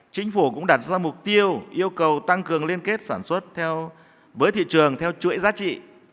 chính phủ cũng đặt ra mục tiêu yêu cầu tăng cường liên kết sản xuất với thị trường theo chuỗi giá trị